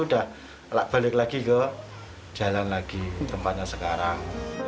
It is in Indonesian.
udah balik lagi ke jalan lagi tempatnya sekarang